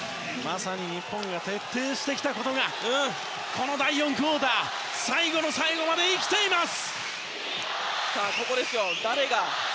日本が徹底してきたことがこの第４クオーター最後の最後まで生きています。